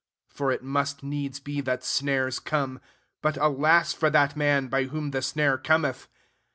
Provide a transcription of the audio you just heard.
for it must needs be that snares come ; but alas for that man by whom the snare cometh!